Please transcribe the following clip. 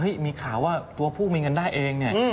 มีข่าวว่าตัวผู้มีเงินได้เองเนี่ย